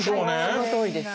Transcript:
はいそのとおりです。